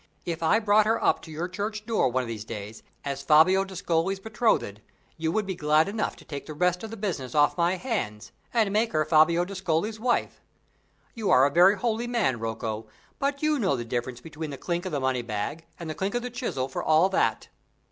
If I brought her up to your church door one of these days, as Fabio d'Ascoli's betrothed, you would be glad enough to take the rest of the business off my hands, and make her Fabio d'Ascoli's wife. You are a very holy man, Rocco, but you know the difference between the clink of the money bag and the clink of the chisel for all that!"